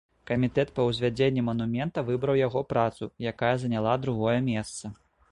Камітэт па ўзвядзенні манумента выбраў яго працу, якая заняла другое месца.